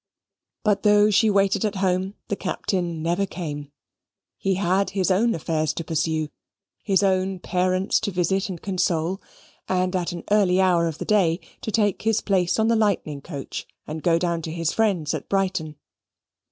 But though she waited at home the Captain never came. He had his own affairs to pursue; his own parents to visit and console; and at an early hour of the day to take his place on the Lightning coach, and go down to his friends at Brighton.